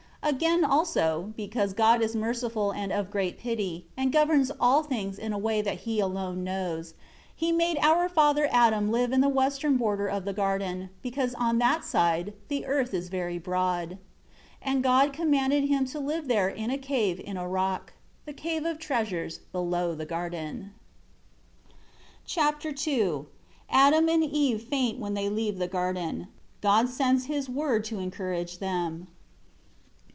8 Again, also, because God is merciful and of great pity, and governs all things in a way that He alone knows He made our father Adam live in the western border of the garden, because on that side the earth is very broad. 9 And God commanded him to live there in a cave in a rock the Cave of Treasures below the garden. Chapter II Adam and Eve faint when they leave the Garden. God sends His Word to encourage them.